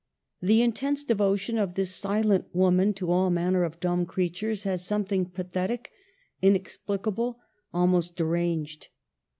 The intense devotion of this silent woman to all manner of dumb creatures has something pathetic, inexplicable, almost de ranged.